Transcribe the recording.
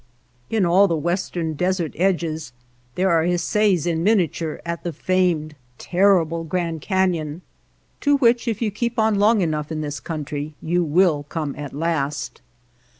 In all the West ern desert edges there are essays in min iature at the famed, terrible Grand Caiion, j to which, if you keep on long enough in this country, you will come at last.